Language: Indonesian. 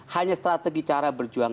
hanya strategi cara berjuang